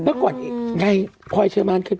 เมื่อก่อนไงพลอยเชื้อมันก็เป็น